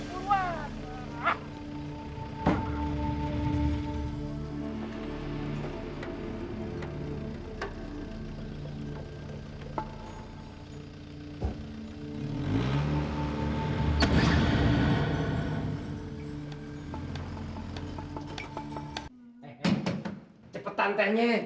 eh eh cepetan tehnya